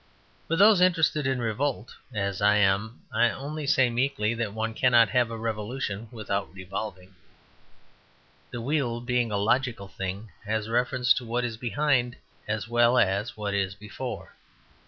For those interested in revolt (as I am) I only say meekly that one cannot have a Revolution without revolving. The wheel, being a logical thing, has reference to what is behind as well as what is before.